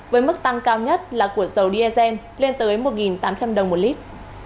với mức tăng cao nhất là của dầu diesel lên tới một tám trăm linh đồng một lít